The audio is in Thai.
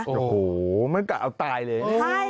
โอ้โหมันกะเอาตายเลย